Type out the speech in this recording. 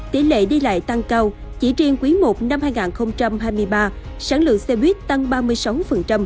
tỷ lệ đi lại tăng cao chỉ riêng quý i năm hai nghìn hai mươi ba sản lượng xe buýt tăng ba mươi sáu